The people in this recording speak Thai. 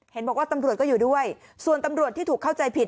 เห็นบอกว่าตำรวจก็อยู่ด้วยส่วนตำรวจที่ถูกเข้าใจผิด